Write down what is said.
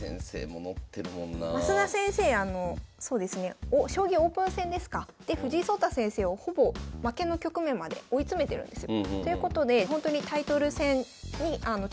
あのそうですね将棋オープン戦ですかで藤井聡太先生をほぼ負けの局面まで追い詰めてるんですよ。ということでほんとにタイトル戦にいつ挑戦してもおかしくない。